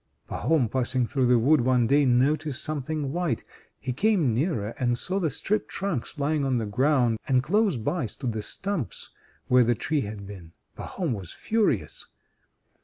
Pahom passing through the wood one day noticed something white. He came nearer, and saw the stripped trunks lying on the ground, and close by stood the stumps, where the tree had been. Pahom was furious.